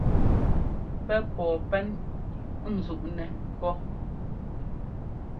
Pɛ́ pɔɔ pɛn ńzúꞌnɛ́ pɔ́.